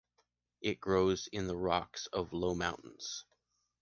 It grows in the rocks of low mountains.